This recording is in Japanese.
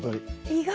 意外！